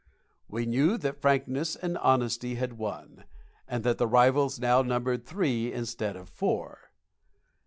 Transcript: We knew that frankness and honesty had won, and that the rivals now numbered three instead of four.